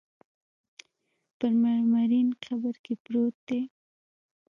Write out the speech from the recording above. په مرمرین قبر کې پروت دی.